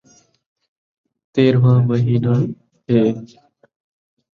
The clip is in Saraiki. تیرہواں مہینہ ہے